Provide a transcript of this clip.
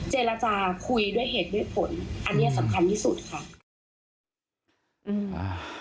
เจรจาคุยด้วยเหตุและผลอันนี้สำคัญที่สุดค่ะ